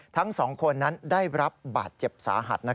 ทั้ง๒คนนั้นได้รับบาดเจ็บสาหัส